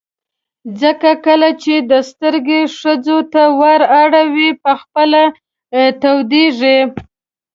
ځکه کله چې ته سترګې ښځو ته ور اړوې په خپله تودېږي.